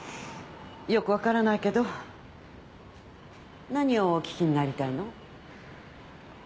よくわからないけど何をお聞きになりたいの？